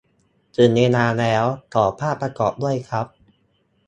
ถึงเวลาแล้วขอภาพประกอบด้วยครับ